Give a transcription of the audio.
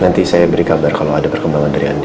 nanti saya beri kabar kalo ada perkembangan dari andin